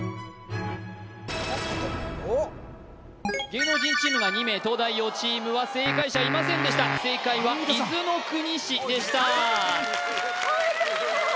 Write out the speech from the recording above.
芸能人チームが２名東大王チームは正解者いませんでした正解は伊豆の国市でしたおめでとう！